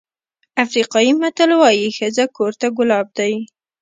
افریقایي متل وایي ښځه کور ته ګلاب دی.